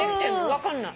分かんない。